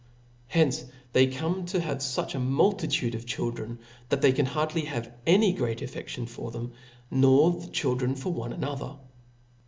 Hence they come to have fuch a multitude of children, that they can hardly have any great affeftion for them, nor the children for one another.